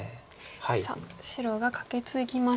さあ白がカケツギました。